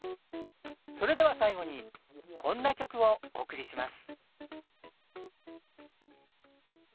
それでは最後にこんな曲をお送りします。